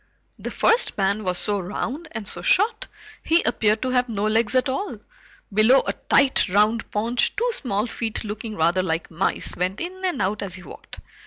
The first man was so round and so short he appeared to have no legs at all. Below a tight round paunch, two small feet looking rather like mice, went in and out as he walked.